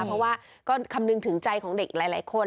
เพราะว่าก็คำนึงถึงใจของเด็กหลายคน